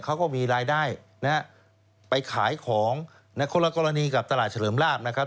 เขาก็มีรายได้นะฮะไปขายของในคนละกรณีกับตลาดเฉลิมลาบนะครับ